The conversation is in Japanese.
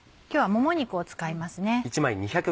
今日はもも肉を使います。